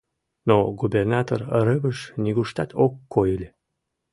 Но губернатор Рывыж нигуштат ок кой ыле.